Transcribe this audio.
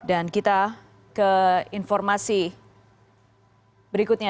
dan kita ke informasi berikutnya